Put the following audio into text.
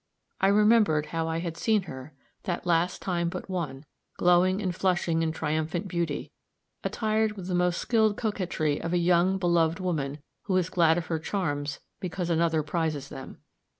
I remembered how I had seen her, that last time but one, glowing and flushing in triumphant beauty, attired with the most skilled coquetry of a young, beloved woman, who is glad of her charms because another prizes them.